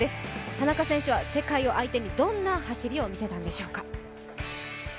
田中選手は世界を相手にどんな走りを見せたのでしょうか。